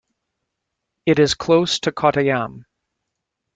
It is close to Kottayam.